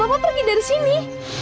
bapak pergi dari sini